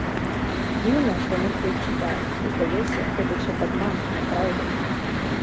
Дзіўна, што нехта іх чытае, здаецца, гэта ўсё падман, няпраўда.